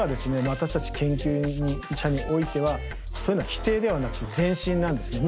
私たち研究者においてはそういうのは否定ではなくて前進なんですね。